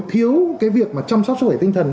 thiếu cái việc mà chăm sóc sức khỏe tinh thần